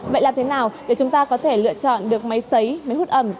vậy làm thế nào để chúng ta có thể lựa chọn được máy xấy máy hút ẩm